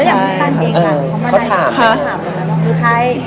เขาไม่ได้ถามว่ามือใคร